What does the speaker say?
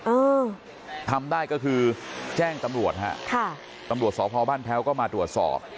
เออทำได้ก็คือแจ้งตำรวจฮะค่ะตำรวจสพบ้านแพ้วก็มาตรวจสอบ